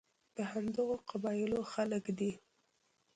د همدغو قبایلو خلک دي.